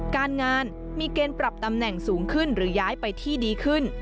การงานมีเกณฑ์ปรับตำแหน่งสูงขึ้นหรือย้ายไปที่ดีขึ้น